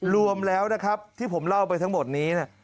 รวมแล้วนะครับที่ผมเล่าไปทั้งหมดนี้